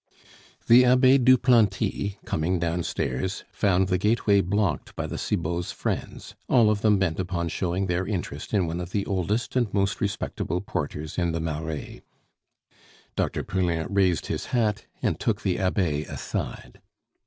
The Abbe Duplanty, coming downstairs, found the gateway blocked by the Cibots' friends, all of them bent upon showing their interest in one of the oldest and most respectable porters in the Marais. Dr. Poulain raised his hat, and took the Abbe aside.